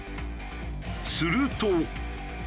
すると。